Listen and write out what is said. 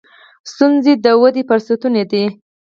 • ستونزې د ودې فرصتونه دي.